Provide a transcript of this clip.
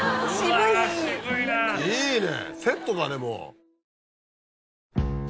いいね！